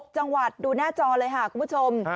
จังหวัดดูหน้าจอเลยค่ะคุณผู้ชม